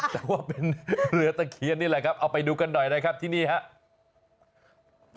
แต่ว่าเป็นเรือตะเคียนนี่แหละครับเอาไปดูกันหน่อยนะครับที่นี่ครับ